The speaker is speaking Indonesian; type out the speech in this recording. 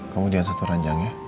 kamu jangan satu ranjang ya